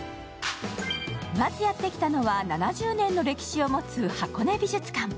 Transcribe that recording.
まずやってきたのは７０年の歴史を持つ箱根美術館。